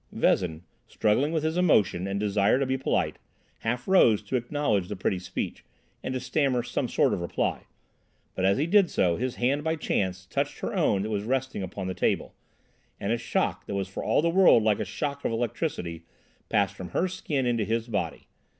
Vezin, struggling with his emotion and desire to be polite, half rose to acknowledge the pretty speech, and to stammer some sort of reply, but as he did so his hand by chance touched her own that was resting upon the table, and a shock that was for all the world like a shock of electricity, passed from her skin into his body.